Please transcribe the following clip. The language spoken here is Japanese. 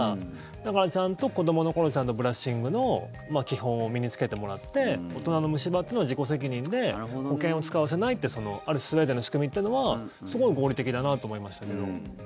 だから、ちゃんと子どもの頃にブラッシングの基本を身に着けてもらって大人の虫歯というのは自己責任で保険を使わせないってスウェーデンの仕組みというのはすごい合理的だなと思いましたけど。